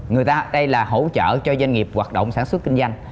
người ta đây là hỗ trợ cho doanh nghiệp hoạt động sản xuất kinh doanh